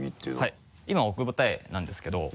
はい今奥二重なんですけど。